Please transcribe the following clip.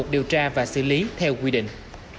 điều tra và xử lý theo quy định